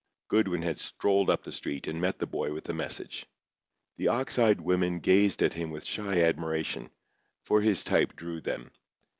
Goodwin had strolled up the street and met the boy with the message. The ox eyed women gazed at him with shy admiration, for his type drew them.